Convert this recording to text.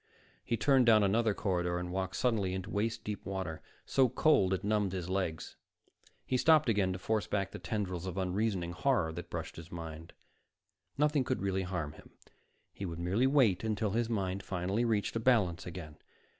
He turned down another corridor and walked suddenly into waist deep water, so cold it numbed his legs. He stopped again to force back the tendrils of unreasoning horror that brushed his mind. Nothing could really harm him. He would merely wait until his mind finally reached a balance again.